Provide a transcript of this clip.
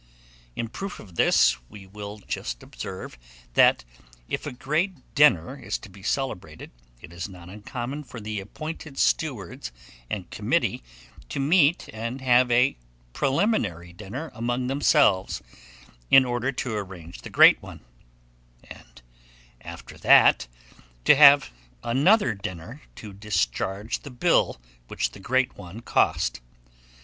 In proof of this we will just observe, that if a great dinner is to be celebrated, it is not uncommon for the appointed stewards and committee to meet and have a preliminary dinner among themselves, in order to arrange the great one, and after that, to have another dinner to discharge the bill which the great one cost.